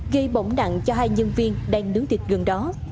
gây bỏng nặng cho hai nhân viên đang nướng thịt gần đó